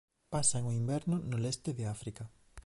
Pasan o inverno no leste de África.